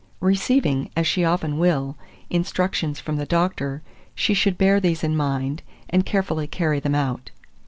2430. Receiving, as she often will, instructions from the doctor, she should bear these in mind, and carefully carry them out.